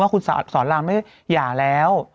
ว่าคุณสอนรามไม่อย่าแล้ว